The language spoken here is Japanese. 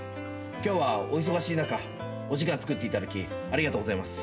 今日はお忙しい中お時間つくっていただきありがとうございます。